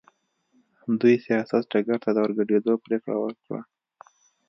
دوی سیاست ډګر ته د ورګډېدو پرېکړه وکړه.